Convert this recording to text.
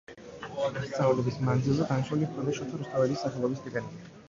სწავლების მანძილზე დანიშნული ჰქონდა შოთა რუსთაველის სახელობის სტიპენდია.